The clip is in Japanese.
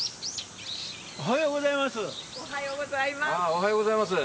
おはようございます。